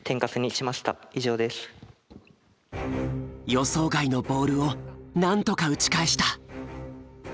予想外のボールをなんとか打ち返した。